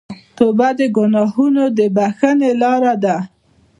توبه د ګناهونو د بخښنې لاره ده.